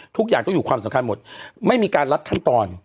ทุกอย่างต้องอยู่ความสำคัญหมดไม่มีการลัดขั้นตอน